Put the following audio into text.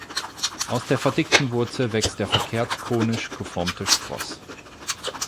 Aus der verdickten Wurzel wächst der verkehrt konisch geformte Spross.